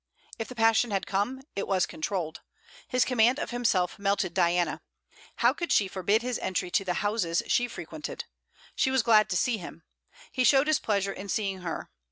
If the passion had come, it was controlled. His command of himself melted Diana. How could she forbid his entry to the houses she frequented? She was glad to see him. He showed his pleasure in seeing her.